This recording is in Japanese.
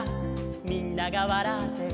「みんながわらってる」